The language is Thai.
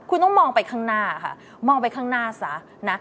คุณต้องมองไปข้างหน้าค่ะมองไปข้างหน้าซะนะ